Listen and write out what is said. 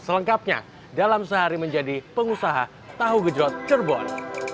selengkapnya dalam sehari menjadi pengusaha tahu genjerot cirebon